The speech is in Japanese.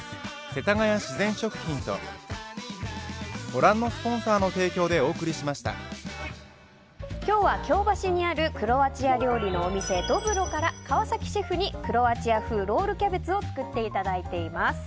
このように巻いて今日は京橋にあるクロアチア料理のお店ドブロから川崎シェフにクロアチア風ロールキャベツを作っていただいています。